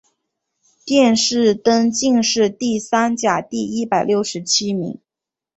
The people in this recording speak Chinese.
殿试登进士第三甲第一百六十七名。